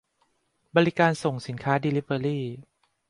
- บริการส่งสินค้า เดลิเวอรี